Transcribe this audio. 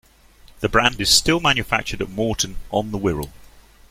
The brand is still manufactured at Moreton on the Wirral.